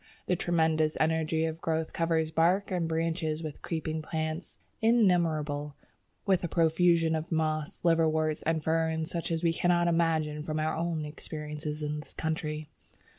The tremendous energy of growth covers bark and branches with creeping plants innumerable, with a profusion of moss, liverworts, and ferns such as we cannot imagine from our own experiences in this country.